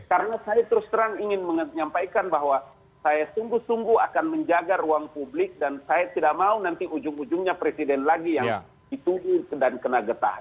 karena saya terus terang ingin menyampaikan bahwa saya sungguh sungguh akan menjaga ruang publik dan saya tidak mau nanti ujung ujungnya presiden lagi yang dituduh dan kena getah